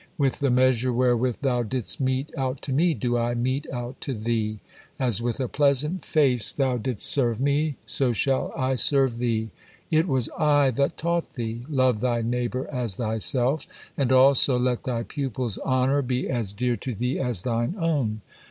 With the measure wherewith thou didst mete out to me, do I mete out to thee; as with a pleasant face thou didst serve me, so shall I serve thee. It was I that taught thee, 'Love thy neighbor as thyself,' and also, 'Let thy pupil's honor be as dear to thee as thine own.'"